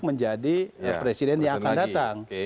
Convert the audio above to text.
menjadi presiden yang akan datang